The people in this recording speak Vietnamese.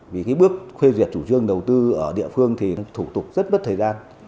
vì cái bước khuê duyệt chủ trương đầu tư ở địa phương thì thủ tục rất bất thời gian